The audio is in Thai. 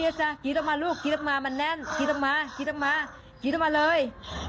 หน่อยบอกเป็นวิทยาทานให้กดรยัลมิตรหน่อย